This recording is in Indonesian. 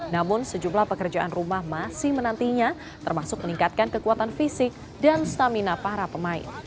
namun sejumlah pekerjaan rumah masih menantinya termasuk meningkatkan kekuatan fisik dan stamina para pemain